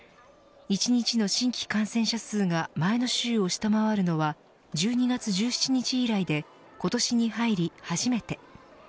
１日の新規感染者数が前の週を下回るのは１２月１７日以来で今年に入り初めて。